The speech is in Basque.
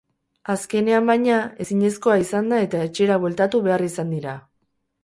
Azkenean, baina, ezinezkoa izan da eta etxera bueltatu behar izan dira.